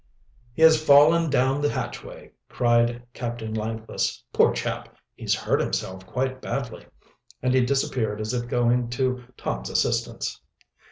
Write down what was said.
"He has fallen down the hatchway!" cried Captain Langless. "Poor chap! he's hurt himself quite badly." And he disappeared, as if going to Tom's assistance.